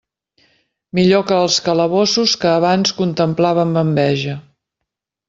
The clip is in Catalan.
Millor que als calabossos que abans contemplava amb enveja.